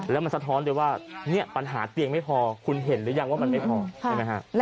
แล้วมันสะท้อนเลยว่าเนี่ยปัญหาเตียงไม่พอคุณเห็นหรือยังว่ามันไม่พอใช่ไหมฮะ